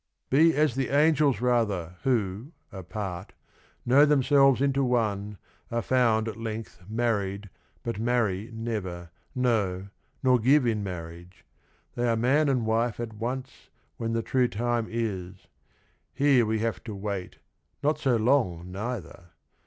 POMPILIA 119 Be as the angels rather, who, apart, Know themselves into one, are found at length Married, but marry never, no, nor give In marriage ; they are man and wife at once When the true time is : here we have to wait Not so long neither